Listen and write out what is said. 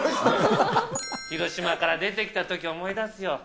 広島から出てきたときを思い出すよ。